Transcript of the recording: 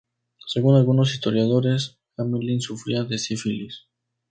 Según algunos historiadores, Gamelin sufría de sífilis.